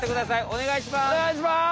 おねがいします。